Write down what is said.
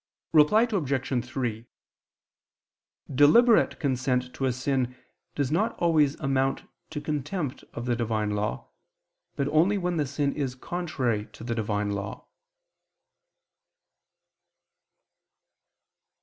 Reply Obj. 3: Deliberate consent to a sin does not always amount to contempt of the Divine law, but only when the sin is contrary to the Divine law.